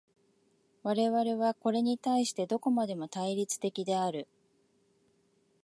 我々はこれに対してどこまでも対立的である。